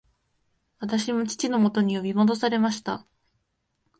私も父のもとに呼び戻されました